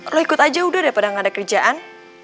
lo ikut aja udah daripada nggak ada kerjaan